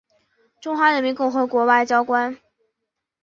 中华人民共和国外交官。